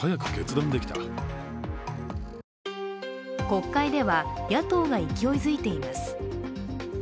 国会では野党が勢いづいています。